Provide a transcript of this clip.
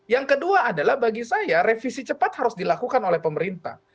yang kedua adalah bagi saya revisi cepat harus dilakukan oleh pemerintah